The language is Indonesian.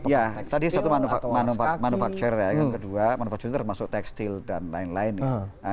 ya tadi suatu manufacture ya yang kedua manufaktur termasuk tekstil dan lain lain ya